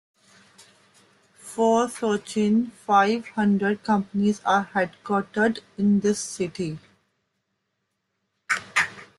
Four Fortune Five Hundred companies are headquartered in this city.